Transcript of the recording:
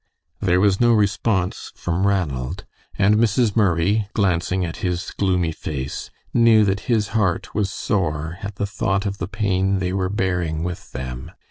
There was no response from Ranald, and Mrs. Murray, glancing at his gloomy face, knew that his heart was sore at the thought of the pain they were bearing with them.